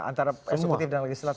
antara eksekutif dan legislatif